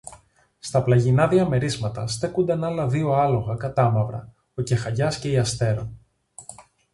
Στα πλαγινά διαμερίσματα στέκουνταν άλλα δυο άλογα κατάμαυρα, ο Κεχαγιάς και η Αστέρω